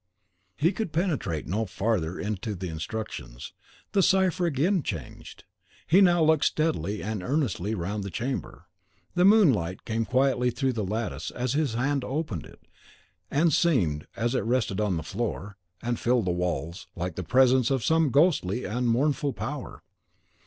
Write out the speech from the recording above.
He could penetrate no farther into the instructions; the cipher again changed. He now looked steadily and earnestly round the chamber. The moonlight came quietly through the lattice as his hand opened it, and seemed, as it rested on the floor, and filled the walls, like the presence of some ghostly and mournful Power.